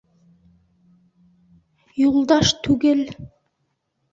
Юлдаш түгел...